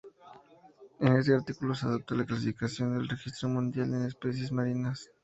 En este artículo se adopta la clasificación del Registro Mundial de Especies Marinas.